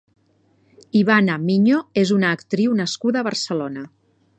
Ivana Miño és una actriu nascuda a Barcelona.